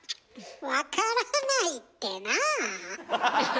「わからない」ってなあ？